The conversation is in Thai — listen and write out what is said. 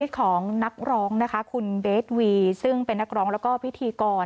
ของนักร้องนะคะคุณเบสวีซึ่งเป็นนักร้องแล้วก็พิธีกร